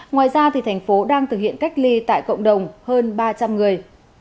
ngoài ra thành phố đang thực hiện cách ly tại cộng đồng hơn ba trăm linh người